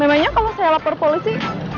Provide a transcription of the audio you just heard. namanya kalau saya lapor polisi